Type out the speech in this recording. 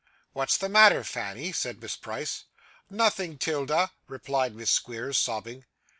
'What's the matter, Fanny?' said Miss Price. 'Nothing, 'Tilda,' replied Miss Squeers, sobbing.